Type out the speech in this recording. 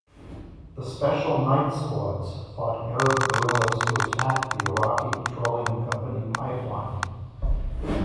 The Special Night Squads fought Arab guerrillas who attacked the Iraqi Petroleum Company pipeline.